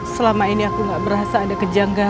terima kasih pak jaka